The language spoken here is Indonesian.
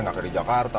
nggak kayak di jakarta